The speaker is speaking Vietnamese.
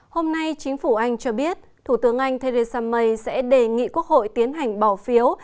hôm nay chính phủ anh cho biết thủ tướng anh theresa may sẽ đề nghị quốc hội tiến hành bỏ phiếu